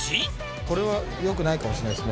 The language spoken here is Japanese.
これはよくないかもしれないですね。